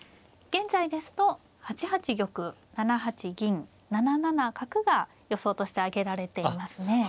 現在ですと８八玉７八銀７七角が予想として挙げられていますね。